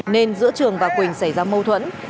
nên giữa trường và quỳnh xảy ra mâu thuẫn